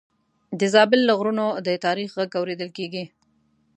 د زابل له غرونو د تاریخ غږ اورېدل کېږي.